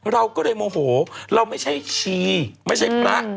เราก็เลยโมโหเราไม่ใช่ชีไม่ใช่พระ